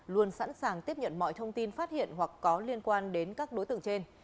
luôn sẵn sàng tiếp nhận mọi thông tin phát hiện hoặc có liên quan đến các đối tượng trên